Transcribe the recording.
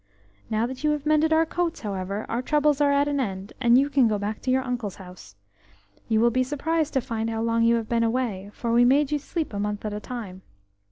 Now that you have mended our coats, however, our troubles are at an end, and you can go back to your uncle's house. You will be surprised to find how long you have been away, for we made you sleep a month at a time.